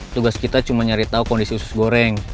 tugas kita cuma nyari tahu kondisi usus goreng